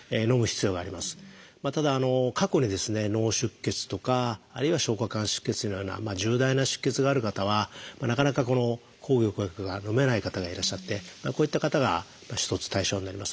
ただ過去にですね脳出血とかあるいは消化管出血のような重大な出血がある方はなかなかこの抗凝固薬がのめない方がいらっしゃってこういった方が一つ対象になります。